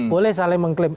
boleh saling mengklaim